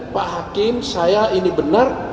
pak hakim saya ini benar